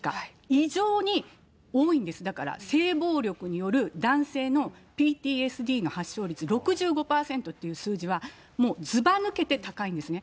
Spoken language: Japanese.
異常に多いんです、だから性暴力による男性のＰＴＳＤの発症率６５％という数字は、もうずば抜けて高いんですね。